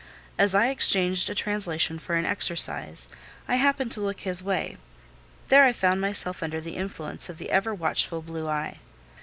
As I exchanged a translation for an exercise, I happened to look his way: there I found myself under the influence of the ever watchful blue eye.